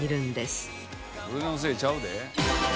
俺のせいちゃうで。